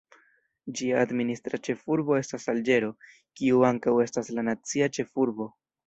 Ĝia administra ĉefurbo estas Alĝero, kiu ankaŭ estas la nacia ĉefurbo.